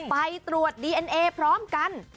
ไปตรวจดีเอ็นเอพร้อมกัน